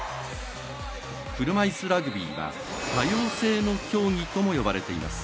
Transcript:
車いすラグビーは多様性の競技とも呼ばれています。